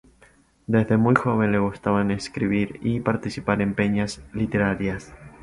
Desde muy joven le gustaba escribir y participar en peñas literarias.